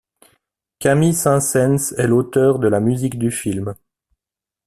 Camille Saint Saëns est l'auteur de la musique du film.